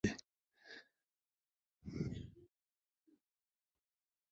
می أج ٹال در کٹئ څیرے، ڇھی علاقہ در أج جیل بیل سی۔